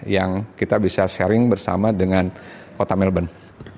yang kita bisa sharing bersama dengan kota melbourne